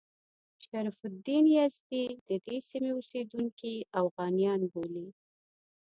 شرف الدین یزدي د دې سیمې اوسیدونکي اوغانیان بولي.